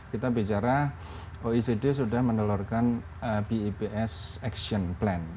kita bicara oecd sudah menelurkan bips action plan